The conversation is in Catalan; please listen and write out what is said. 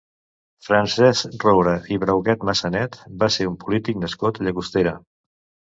Francesc Roure i Brauget-Massanet va ser un polític nascut a Llagostera.